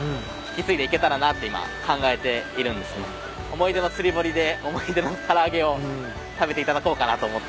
思い出の釣り堀で思い出の唐揚げを食べていただこうかなと思って。